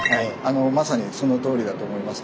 まさにそのとおりだと思います。